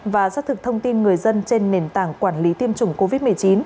và xác thực thông tin người dân trên nền tảng quản lý tiêm chủng covid một mươi chín